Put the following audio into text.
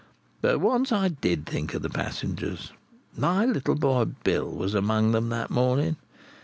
But once I did think of the passengers. My little boy, Bill, was among them that morning.